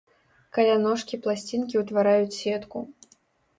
Каля ножкі пласцінкі ўтвараюць сетку.